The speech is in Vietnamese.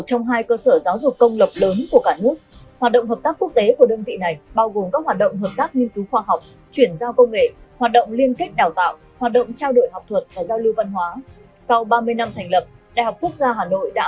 cũng như là vị thế của đại học quốc gia hà nội trong khu vực và trên thế giới